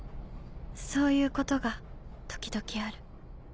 そういうことが時々ある。